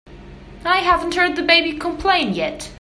I haven't heard the baby complain yet.